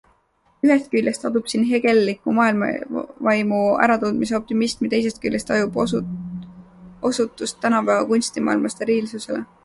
Ühest küljest adub siin hegellikku maailmavaimu äratundmise optimismi, teisest küljest tajub osutust tänapäeva kunstimaailma steriilsusele.